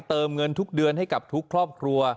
เติมเงินทุกเดือนให้กับทุกครอบครัว